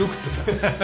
ハハハ。